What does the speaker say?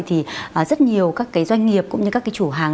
thì rất nhiều các doanh nghiệp cũng như các chủ hàng